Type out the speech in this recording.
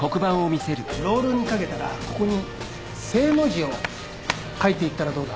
ロールにかけたらここに「正」の字を書いていったらどうだ？